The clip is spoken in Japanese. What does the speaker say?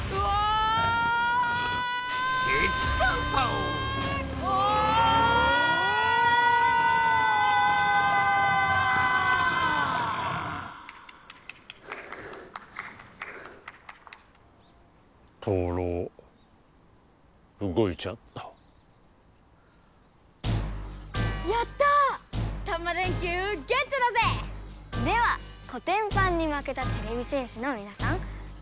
ではこてんぱんにまけたてれび戦士のみなさんごきげんよう。